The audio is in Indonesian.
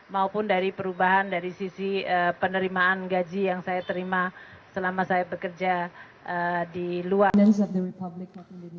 maupun dari perubahan dari sisi penerimaan gaji yang saya terima selama saya bekerja di luar sistem publik